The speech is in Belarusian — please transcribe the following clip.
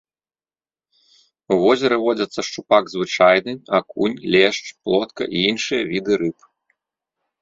У возеры водзяцца шчупак звычайны, акунь, лешч, плотка і іншыя віды рыб.